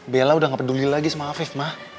bella udah gak peduli lagi sama afif mah